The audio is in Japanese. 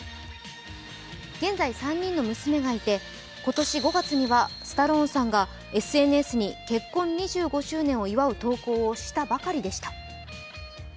現在、３人の娘がいて、今年５月にはスタローンさんがＳＮＳに結婚２５周年を祝う投稿をしたばかりでした。